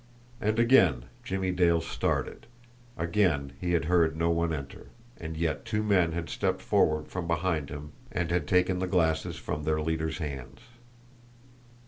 And again Jimmie Dale started, again he had heard no one enter, and yet two men had stepped forward from behind him and had taken the glasses from their leader's hands.